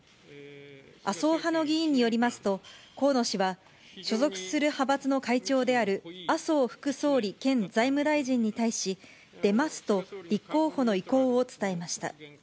麻生派の議員によりますと、河野氏は所属する派閥の会長である、麻生副総理兼財務大臣に対し、出ますと、立候補の意向を伝えました。